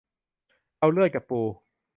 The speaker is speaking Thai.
เอาเลือดกับปู